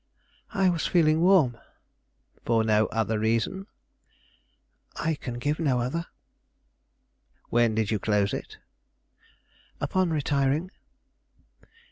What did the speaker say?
"I was feeling warm." "No other reason?" "I can give no other." "When did you close it?" "Upon retiring."